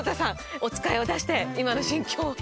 おつかいを出して今の心境は？